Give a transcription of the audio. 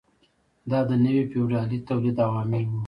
دا د نوي فیوډالي تولید عوامل وو.